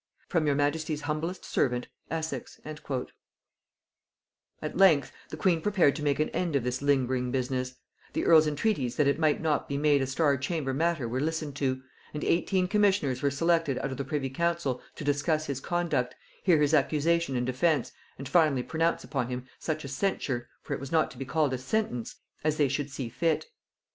"From your majesty's humblest servant, "ESSEX." At length, the queen prepared to make an end of this lingering business; the earl's entreaties that it might not be made a Star chamber matter were listened to, and eighteen commissioners were selected out of the privy council, to discuss his conduct, hear his accusation and defence, and finally pronounce upon him such a censure, for it was not to be called a sentence, as they should see fit.